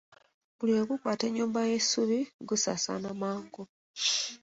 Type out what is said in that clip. Omuliro bwe gukwata ennyumba ey'essubi, gusaasaana mangu.